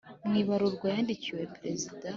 Mu ibaruwa yandikiwe Perezida